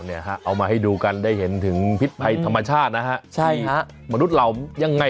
เอามาให้ดูกันได้เห็นถึงพิษภัยธรรมชาตินะฮะใช่ฮะมนุษย์เรายังไง